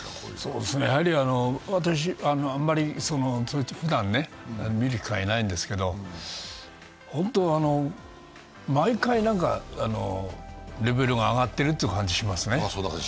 あまりふだん見る機会がないんですけど、ほんと毎回レベルが上がってるという感じがしますね。